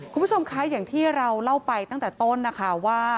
คุณผู้ชมคะอย่างที่เราเล่าไปตั้งแต่ต้นนะคะว่า